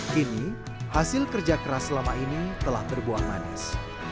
kini hasil kerja keras selama ini telah berbuah manis